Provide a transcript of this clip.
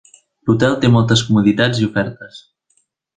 L'hotel té moltes comoditats i ofertes.